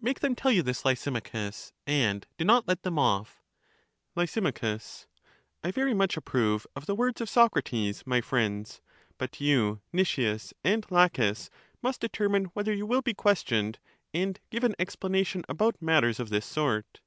Make them tell you this, Lysimachus, and do not let them off. JLys, I very much approve of the words of Soc rates, my friends; but you, Nicias and Laches, must determine whether you will be questioned, and give an explanation about matters of this sort.